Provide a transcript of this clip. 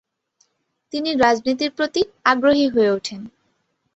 তিনি রাজনীতির প্রতি আগ্রহী হয়ে উঠেন।